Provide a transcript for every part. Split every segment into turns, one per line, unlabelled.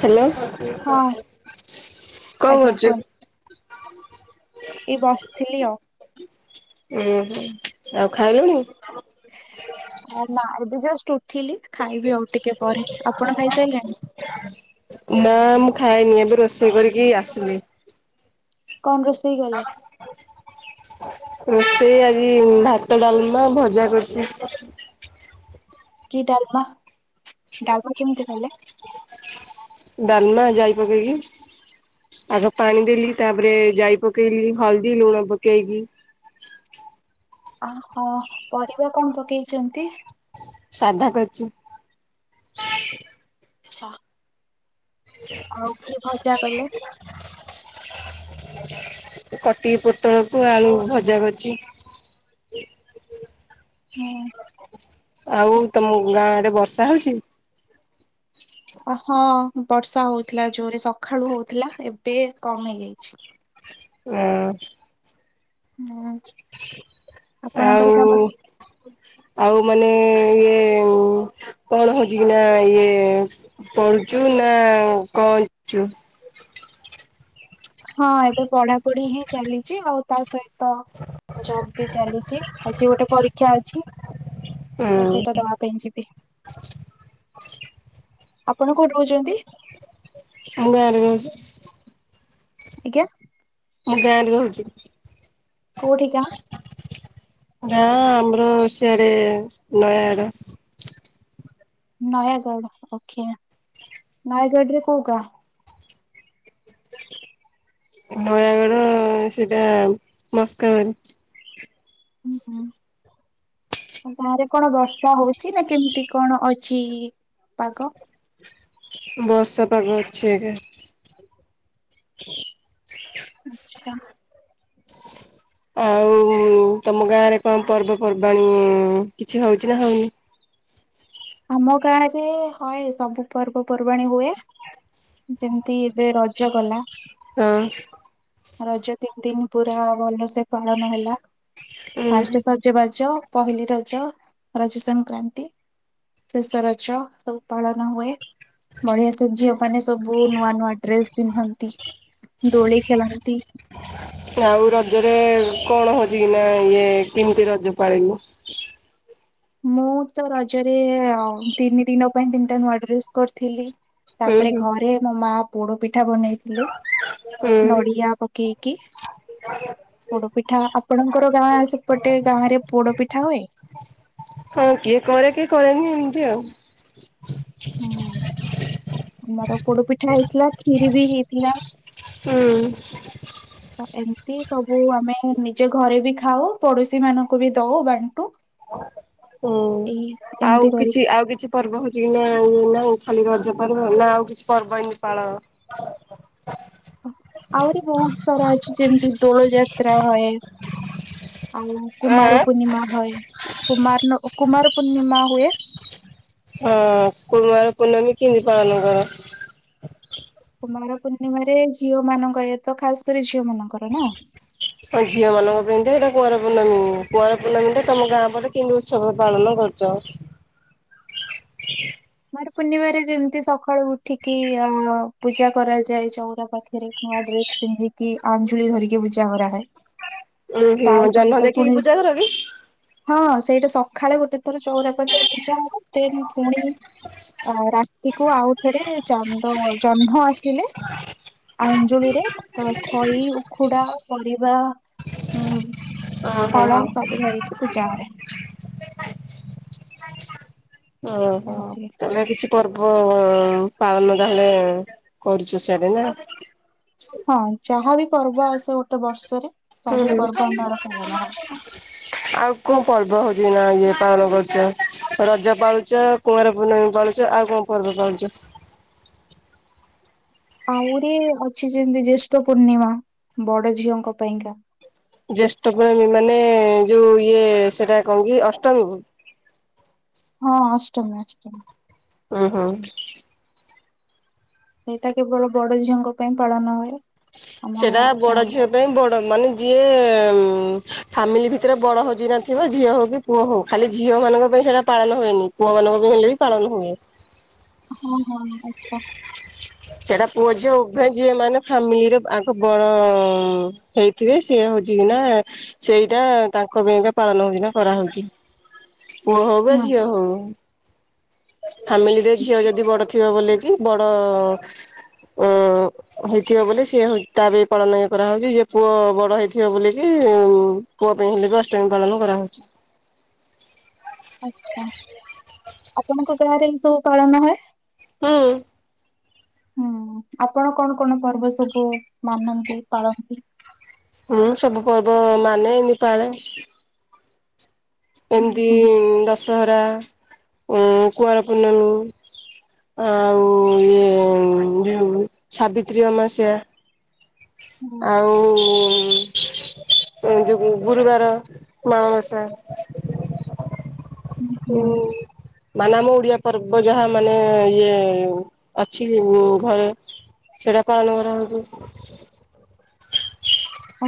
Hello
ହଁ
କଣ
ଆଜ୍ଞା
କରହୁଛୁ
କୁହନ୍ତୁ ଏଇ ବସିଥିଲି ଆଉ
ଓହୋ ଆଉ ଖାଇଲୁଣି
ଆ ନା ଏବେ ଜଷ୍ଟ ଉଠିଲି ଖାଇବି ଆଉ ଟିକେ ପରେ ଆପଣ ଖାଇସାରିଲେଣି?
ନା ମୁଁ ଖଏନି ଏବେ ରୋଷେଇ କରିକି ଆସିଲି
କଣ ରୋଷେଇ ଗଲେ?
ରୋଷେଇ ଆଜି ଭାତ ଡାଲମା ଭଜା କରୁଛି
କି ଡାଲମା ଡାଲମା କେମିତି କଲେ
ଡାଲମା ଯାଇ ପକେଇକି ଆଗ ପାଣି ଦେଲି ତାପରେ ଜାଇ ପକେଇଲି ହଳଦୀ ଲୁଣ ପକେଇକି
ଆହୋ ପରିବା କଣ ପକେଇଛନ୍ତି
ସାଧ କରିଚି।
ଅ ଆଉ କିଏ ଭଜା କଲା?
ଏ କଟିକି ପୋଟଳକୁ ଆଳୁ ଭଜା କରଚି। ଆଉ
ହୁଁ,
ତମ ଗାଁ ଆଡେ ବର୍ଷା ହୋଉଚି?
ଆଉ ହଁ ବର୍ଷା ହୋଉଥିଲା ଜୋରରେ ସକାଳୁ ହୋଉଥିଲା ଏବେ କମ୍ ହେଇଯାଇଛି।
ଉଁ।
ଉଁ।
ଆଉ ଆଉ ମାନେ ଇଏ କଣ ହୋଉଛି କି ନା ଇଏ ପଢୁଚୁ ନା କଚୁ
ହଁ ଏବେ ପଢାପଢି ହିଁ ଚାଲିଛି ଆଉ ତା ସହିତ ଜବ ବି ଚାଲିଚି। ଆଜି ଗୋଟେ ପରୀକ୍ଷା ଅଛି ତ
ହୁଁ
ସେଇଟା ଦବା ପାଇଁ ଯିବି। ଆପଣ କୋଉଠି ରହୁଚନ୍ତି?
[unintelligible]
ଆଜ୍ଞା।
ମୁଁ ଗାଁରେ ରହୁଚି।
କୋଉଠିିକା?
ନା ଆମର ସିଆଡେ ନାୟ ଆଡ
ନୟାଗଡ ପକ୍ଷା ନୟାଗଡରେ କୋଉ ଗାଁ?
ନୟାଗଡ ସେଇଟା ମସ୍କାରେ
ହୁଁ ହୁଁ। ଗାଁରେ କଣ ବର୍ଷା ହୋଉଚି ନା କେମିତି କଣ ଅଛି ପାଗ?
ବର୍ଷା ପାଗ ଅଛି ଏବେ। ହୁଁ
ଆଚ୍ଛା।
ଆଉ ତମ ଗାଁରେ କଣ ପର୍ବ ପର୍ବାଣୀ କିଛି ହୋଉଛି ନା ହୋଉନି?
ଆମ ଗାଁ ରେ ହଁ ସବୁ ପର୍ବ ପର୍ବାଣୀ ହୁଏ। ଯେମିତି ଏବେ ରଜ ଗଲା।
ହଁ।
ରଜ ତିନି ଦିନ ପୁରା ଭଲସେ ପାଳନ ହେଲା
ଉଁ ହୁଁ।
ଫାଷ୍ଟେ ତ ସଜବାଜ ପହିଲି ରଜ ରଜ ସଂକ୍ରାନ୍ତି ଶେଷ ରଛ ସବୁ ପାଳନ ହୁଏ। ବଢିଆ ସେ ଝିଅ ମାନେ ସବୁ ନୂଆ ନୂଆ ଡ୍ରେସ ପିନ୍ଧନ୍ତି। ଦୋଳି ଖେଳନ୍ତି।
ଆଉ ରଜରେ କଣ ହୋଉଚି କି ନା ଇଏ କେମିତି ରଜ ପାଳିଲ?
ମୁଁ ତ ରଜରେ ତିନି ଦିନ ପାଇଁ ତିନିଟା ନୂଆ ଡ୍ରେସ୍ କରିଥିଲି।
ହୁଁ
ତାପରେ
ହୁଁ
ଘରେ ମୋ ମା ପୋଡ ପିଠା ବନେଇଥିଲେ
ହୁଁ।
ନଡିଆ ପ କେକ୍ ପୋଡ ପିଠା ଆପଣଙ୍କର ଗାଁ ସେପଟେ ଗାଁ ରେ ପୋଡ ପିଠା ହୁଏ?
ହଁ କିଏ କରେ କିଏ କରେନି ଏମିତି ଆଉ।
ହୁଁ ଆମର ପୋଡ ପିଠା ହେଇଥିଲା ଖିରି ବି ହେଇଥିଲା।
ହୁଁ।
ତ ଏମତି ସବୁ ଆମେ ନିଜେ ଘରେ ବି ଖାଉ ପଡୋଶୀ ମାନଙ୍କୁ ବି ଦୋଉ ବାଣ୍ଟୁ।
ହୁଁ
ଏଇ
ଆଉ
ଏମିତି
କିଛି
କରିକି
ଆଉ କିଛି ପର୍ବ ହୋଉଚି କି ନା ଇଏ ନା ଖାଲି ରଜ ପର୍ବ ନା ଆଉ କିଛି ପର୍ବ ଏମିତି ପାଳ?
ଆହୁରି ବହୁତ ସାରା ଅଛି ଯେମିତି ଦୋଳ ଯାତ୍ରା ହୁଏ ଆଉ କୁମାର
ଆଁ
ପୂର୍ଣ୍ଣିମା ହୁଏ କୁମାର କୁମାର ପୂର୍ଣ୍ଣିମା ହୁଏ।
ହଁ କୁରୁମାର ପୂର୍ଣ୍ଣିମା କେବେ ପାଳନ କର?
କୁମାର ପୂର୍ଣ୍ଣିମାରେ ଝିଅ ମାନଙ୍କ ଏ ତ ଖାସ କରି ଝିଅ ମାନଙ୍କର ନା।
ହଁ ଝିଅ ମାନଙ୍କ ପାଇଁ ତ ଏଇଟା କୁଆଁର ପୂର୍ଣ୍ଣମୀ କୁଆର ପୂର୍ଣ୍ଣମୀ ଟା ତମ ଗାଁ ପଟେ କେମିତି ଉତ୍ସବ ପାଳନ କରୁଛ?
କୁମାର ପୂର୍ଣ୍ଣିମାରେ ଯେମିତି ସକାଳୁ ଉଠିକି ଅ ପୂଜା କରାଯାଏ ଚଉରା ପାଖରେ। ନୂଆ ଡ୍ରେସ ପିନ୍ଧିକି ଆଞ୍ଜୁଳି ଧରିକି ପୂଜା କରାହୁଏ।
ଉ ହୁଁ ଜହ୍ନ ଦେଖିକି
ପୁଣି
ପୂଜା କର କି?
ହଁ ସେଇଟା ସକାଳେ ଗୋଟେ ଥର ଚଉରା ପାଖରେ ପୂଜା ହବ ଦେନ ପୁଣି ଅ ରାତି କୁ ଆଉଥରେ ଚାନ୍ଦ ଜହ୍ନ ଆସିଲେ ଆଞ୍ଜୁଳିରେ ଅ ଖଇ ଉଖୁଡା ପରିବା ଉ
ଓହୋ
ଫଳ ସବୁ ଧରିକି ପୂଜା ହୁଏ।
ଓହୋ
ଏମିତି
ତାହେଲେ କିଛି ପର୍ବ ପାଳନ ତାହେଲେ କରୁଛ ସିଆଡେ ନା
ହଁ ଯାହା ବି ପର୍ବ ଆସେ ଗୋଟେ ବର୍ଷରେ
ହୁଁ
ସବୁ
ହୁଁ।
ପର୍ବ ଆମର ପାଳନ ହୁଏ।
ଆଉ କଣ ପର୍ବ ହଉଛି ନା ଇଏ ପାଳନ କରୁଛ? ରଜ ପାଳୁଛ କୁଆଁର ପୂର୍ଣ୍ଣିମୀ ପାଳୁଛ ଆଉ କଣ ପର୍ବ ପାଳୁଛ?
ଆହୁରି ଅଛି ଯେମିତି ଜ୍ୟେଷ୍ଠ ପୂର୍ଣ୍ଣିମା ବଡ ଝିଅଙ୍କ ପାଇଁକା।
ଜ୍ୟେଷ୍ଠ ପୂର୍ଣ୍ଣମୀ ମାନେ ଯୋଉ ଇଏ ସେଟା କଣ କିି ଅଷ୍ଟମୀକୁ
ହଁ ଅଷ୍ଟମୀ ଅଷ୍ଟମୀ।
ଉଁ ହୁଁ।
ଏଇଟା କେବଳ ବଡ ଝିଅଙ୍କ ପାଇଁ ପାଳନ ହୁଏ। ଆମ
ସେଟା
ଗାଁ-
ବଡ
ଗାଁରେ
ଝିଅ ପାଇଁ ବଡ ମାନେ ଯିଏ ଫାମିଲି ଭିତରେ ବଡ ହଉଛି ନଥିବ ଝିଅ ହଉ କି ପୁଅ ହଉ ଖାଲି ଝିଅମାନଙ୍କ ପାଇଁ ସେଇଟା ପାଳନ ହୁଏନି। ପୁଅମାନଙ୍କ ପାଇଁ ହେଲେ ବି ପାଳନ ହୁଏ।
ହଁ ହଁ ଆଚ୍ଛା।
ସେଟା ପୁଅ ଝିଅ ଉଭୟ ଝିଅ ମାନେ ଫାମିଲିରେ ତାଙ୍କ ବଡ ହେଇଥିବେ ସିଏ ହଉଛି କିିନା ସେଇଟା ତାଙ୍କ ପାଇଁକା ପାଳନ ହୁଏ ନା କରାହୁଏ। ପୁଅ ହଉ ବା
ହୁଁ
ଝିଅ ହଉ। ଫାମିଲିରେ ଝିଅ ଯଦି ବଡ ଥିବ ବୋଲି କି ବଡ ଉ ହେଇଥିବ ବୋଲି ସିଏ ହ ତା ବି ପାଳନ ଇଏ କରାହଉଛି, ଯେ ପୁଅ ବଡ ହେଇଥିବ ବୋଲିକିି ପୁଅ ପାଇଁ ହେଲେ ବି ଅଷ୍ଟମୀ ପାଳନ କରାହଉଛି।
ଆଛା ଆପଣଙ୍କ ଗାଁରେ ଏଇ ସବୁ ପାଳନ ହଏ।
ହୁଁ।
ହୁଁ ଆପଣ କଣ କଣ ପର୍ବ ସବୁ ମାନନ୍ତି ପାଳନ୍ତି।
ହୁଁ ସବୁ ପର୍ବ ମାନେ ନିପାଳେ।
ହୁଁ
ଏମିତି
ହୁଁ
ଦଶହରା କୁଆଁର ପୂର୍ଣ୍ଣମୀ। ଆଉ ଇଏ ଯୋଉ ସାବିତ୍ରୀ ଅମାବାସ୍ୟା।
ହୁଁ
ଆଉ ଉଁ ଯୋଉ ଗୁରୁବାର ମାଣବସା। ହୁଁ। ମାନେ ଆମ ଓଡିଆ ପର୍ବ ଯାହା ମାନେ ଇଏ ଅଛି ଘରେ। ଟା ପାଳନ କରାହଉଛି।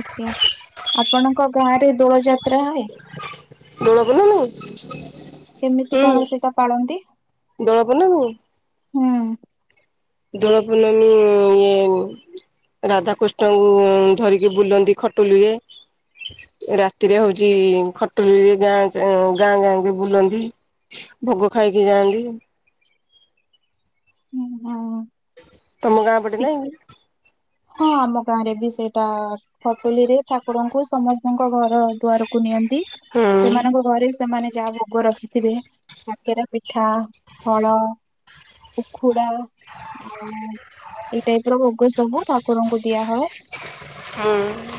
ଓକେ ଆପଣଙ୍କ ଗାଁରେ ଦୋଳ ଯାତ
ଦୋଳପୂର୍ଣ୍ଣମୀ।
କେମିତି କଣ ସେଇଟା ପାଳନ୍ତି
ଦୋଳ ପୂର୍ଣ୍ଣମୀ
ହୁଁ।
ଦୋଳ ପୂର୍ଣ୍ଣମୀ ଉଁ ରାଧାକୃଷ୍ଣଙ୍କୁ ଧରିକି ବୁଲନ୍ତି ଖଟୁଲିରେ। ରାତିରେ ହଉଛି ଖଟୁଳିରେ ଗାଁ ଗାଁ ଗାଁ କି ବୁଲନ୍ତି। ଭୋଗ ଖାଇକି ଯାଆନ୍ତି।
ହୁଁ ହୁଁ।
ତମ ଗାଁ ପଟେ
ପି-
ନାଇଁ।
ହଁ ଆମ ଗାଁରେ ବି ସେଇଟା ଖଟୁଲିରେ ଠାକୁରଙ୍କୁ ସମସ୍ତ ଙ୍କ ଘର ଦୁଆରକୁ ନିଅନ୍ତି
ହୁଁ
ସେମାନଙ୍କ ଘରେ ସେମାନେ ଯାହା ଭୋଗ ରଖିଥିବେ କାକେରା ପିଠା ଫଳ ଉଖୁଡ଼ା ଆଉ ଏଇ ଟାଇପର ଭୋଗ ସବୁ ଠାକୁରଙ୍କୁ ଦିଆ ହଏ।
ହଁ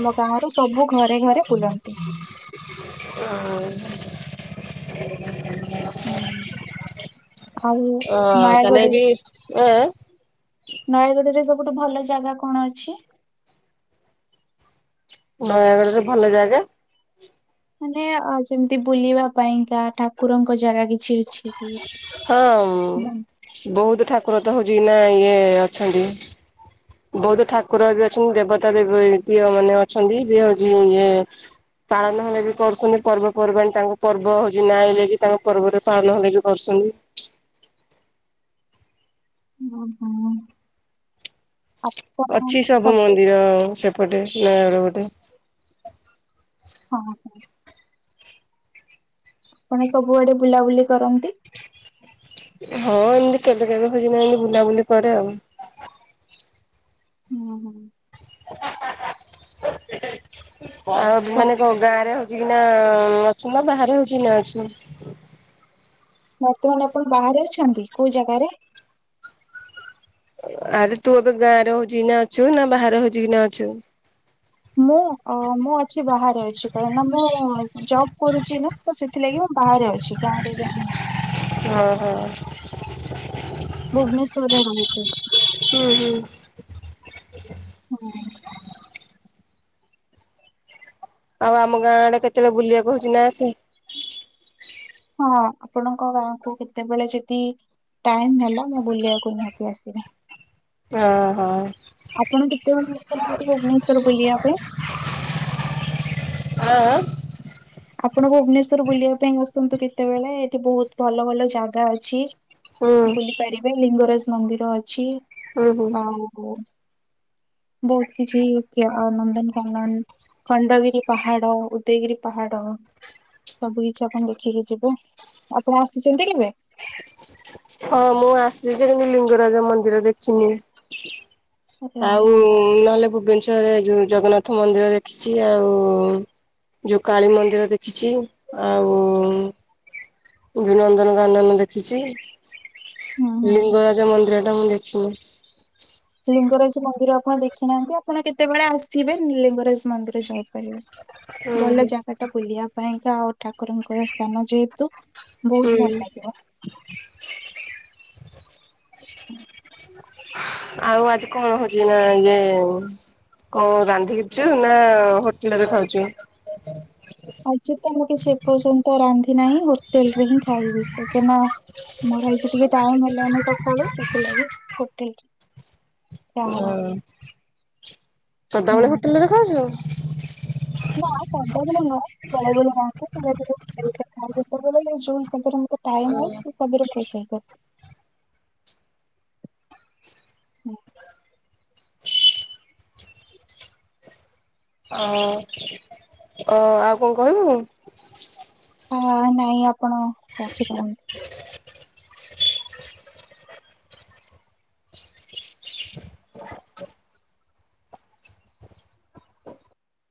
ଆମ ଗାଁର ସବୁ ଘରେ ଘରେ ବୁଲନ୍ତି।
ଅଁ ହ
ହୁଁ। ଆଉ
ଅ
ନୟାଗଡ
ତାନେ ବି ଅ
ନୟାଗଡ଼ ରେ ସବୁଠୁ ଭଲ ଜାଗା କଣ ଅଛି?
ନୟାଗଡରେ ଭଲ ଜାଗା
ମାନେ ଯେମିତି ବୁଲିବା ପାଇଁକା ଠାକୁରଙ୍କ ଜାଗା କି କିଛି ଅଛି ନା
ହଁ। ବହୁତ ଠାକୁର ତ ହଉଛି ନା ଇଏ ଅଛନ୍ତି। ବୌଦ୍ଧ ଠାକୁର ବି ଅଛନ୍ତି ଦେବତା ଦେ ଦିଅ ମାନେ ଅଛନ୍ତି ଯିଏ ହଉଛି ଇଏ ପାଳନ ହେଲେ ବି କରୁଛନ୍ତି ପର୍ବପର୍ବାଣି ତାଙ୍କ ପର୍ବ ହଉଛି ନାଁଲୋଗି ତାଙ୍କ ପର୍ବରେ ପାଳନ ହେଲେକ କରୁଛନ୍ତି।
ହୁଁ ହୁଁ।
ଅଛି ସବୁ ମନ୍ଦିର ସେପଟେ ନୟାଗଡ ଗଟେ।
ହଁ। ଆପଣ ସବୁଆଡେ ବୁଲାବୁଲି କରନ୍ତି?
ହଁ ଏମିତି କେବେ କେବେ ହେରିନା ଏମିତି ବୁଲାବୁଲି କରେ ଆଉ।
ହୁଁ ହୁଁ।
ଆଉ ମାନେ କ ଗାଁ ରେ ହଉଛି କିନା ଅଛ ନା ବାହାରେ ହଉଛି କିନା ଅଛ?
ବର୍ତ୍ତମାନ ଆପଣ ବାହାରେ ଅଛନ୍ତି କୋଉ ଜାଗାରେ?
ଆରେ ତୁ ଏବେ ଗାଁରେ ହଉଛି କିନା ଅଛୁ ନା ବାହାରେ ହଉଛି କିନା ଅଛୁ?
ମୁଁ ମୁଁ ଅଛି ବାହାରେ ଅଛି କାହିଁକି ନା ମୁଁ ଜବ କରୁଛି ନା। ତ ସେଥିଲାଗି ମୁଁ ବାହାରେ ଅଛି ଗାଁରେ ଏବେ ନାହିଁ।
ହଁ ହଁ।
ଭୁବନେଶ୍ଵର ରେ ରହୁଛି,
ହୁଁ ହୁଁ।
ହୁଁ।
ଆଉ ଆମ ଗାଁ ଆଡେ କେତେବେଳେ ବୁଲିବାକୁ ହଉଛି ନା ଆସେ।
ହଁ ଆପଣଙ୍କ ଗାଁକୁ କେତେବେଳେ ଯଦି ଟାଇମ ହେଲା ମୁଁ ବୁଲିବାକୁ ନିହାତି ଆସିବି।
ଆହଁ।
ଆପଣ କେତେବେଳେ ବ ଆସୁନାହାନ୍ତି ଭୁବନେଶ୍ଵର ବୁଲିବା ପାଇଁ?
ଆଁ ଆଁ।
ଆପଣ ଭୁବନେଶ୍ଵର ବୁଲିବା ପାଇଁ ଆସନ୍ତୁ କେତେବେଳେ ଏଠି ବହୁତ ଭଲ ଭଲ ଜାଗା ଅଛି।
ହୁଁ
ବୁଲି ପାରିବେ ଲିଙ୍ଗରାଜ ମନ୍ଦିର ଅଛି।
ହୁଁ ହୁଁ।
ଆ ହୋ ବହୁତ କିଛି ନନ୍ଦନ କାନନ। ଖଣ୍ଡଗିରି ପାହାଡ ଉଦୟଗିରି ପାହାଡ ସବୁ କିଛି ଆପଣ ଦେଖିକି ଯିବେ ଆପଣ ଆସିଛନ୍ତି କେବେ?
ହଁ ମୁଁ ଆସିଛି ଯେ କିନ୍ତୁ ଲିଙ୍ଗରାଜ ମନ୍ଦିର ଦେଖିନି।
ଆଚ୍ଛା,
ଆଉ
ହଁ,
ନହେଲେ ଭୁବନେଶ୍ଵରରେ ଯୋଉ ଜଗନ୍ନାଥ ମନ୍ଦିର ଦେଖିଛି ଆଉ ଯୋଉଁ କାଳୀ ମନ୍ଦିର ଦେଖିଛି ଆଉ ନନ୍ଦନକାନନ ଦେଖିଛି
ହଁ, ହଁ।
ଲିଙ୍ଗରାଜ ମନ୍ଦିରଟା ମୁଁ ଦେଖିନି।
ଲିଙ୍ଗରାଜ ମନ୍ଦିର ଆପଣ ଦେଖିନାହାନ୍ତି ଆପଣ କେତେବେଳେ ଆସିବେ ଲିଙ୍ଗରାଜ ମନ୍ଦିର ଯାଇପାରିବେ।
ହୁଁ
ଭଲ ଜାଗା ଟା ବୁଲିବା ପାଇଁକା ଆଉ ଠାକୁରଙ୍କ ସ୍ଥାନ ଯେହେତୁ। ବହୁତୁ
ହୁଁ
ଭଲ ଲାଗିବ। ହୁଁ।
ଆଉ ଆଜି କଣ ହଉଛି ନା ଇଏ କଣ ରାନ୍ଧିିଛୁ ନା ହୋଟେଲରେ ଖାଉଛୁ? [inaudible]
ଆଜି ତ ମୁଁ କିଛି ଏ ପର୍ଯ୍ୟନ୍ତ ରାନ୍ଧି ନାଇଁ ହୋଟେଲରେ ହିଁ ଖାଇବି କାଇକି ନା ମୋର ଏଇଜି ଟିକେ ଟାଇମ୍ ହେଲାନି ସଖାଳୁ ସେଥିଲାଗି ହୋଟେଲରେ
ଓ ସଦାବେଳେ
ହଁ।
ହୋଟେଲରେ ଖାଉଚୁ?
ନା ସଦାବେଳେ ନୁହଁ ବେଳେବେଳେ ରାନ୍ଧେ ବେଳେବେଳେ ହୋଟେଲରେ ଖାଏ ଯେତେବେଳେ ଯୋଉ ହିସାବରେ ମତେ ଟାଇମ୍ ହୁଏ [inaudible] ରୋଷେଇ କରେ।
ଅ କଁ ଆଉ କଁ କହିବୁ।
ହ ନାଇଁ ଆପଣ ରଖିପାରନ୍ତି।